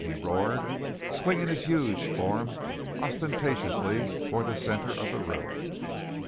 he roared, swinging his huge form ostentatiously toward the centre of the room.